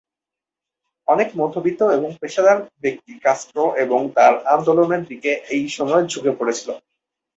অনেক মধ্যবিত্ত এবং পেশাদার ব্যক্তি কাস্ত্রো এবং তার আন্দোলনের দিকে এইসময় ঝুঁকে পড়েছিল।